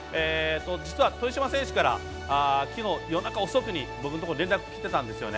実は豊島選手からきのう夜中遅くに僕のところに連絡がきてたんですよね。